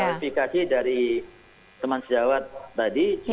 verifikasi dari teman sejawat tadi